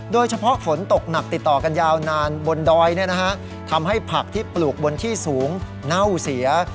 โดยเฉพาะฝนตกหนักติดต่อกันยาวนานบนดอยทำให้ผักที่ปลูกบนที่สูงเน่าเสีย